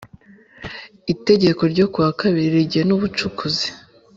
iteka ryo ku wa kabiri rigena ubucukuzi